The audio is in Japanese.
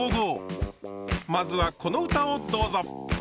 まずはこの歌をどうぞ。